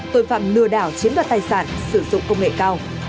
tội phạm lừa đảo chiếm đoạt tài sản sử dụng công nghệ cao